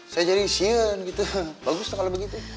saya jadi sien gitu bagus tuh kalau begitu